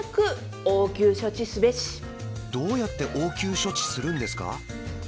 どうやって応急処置するんですか？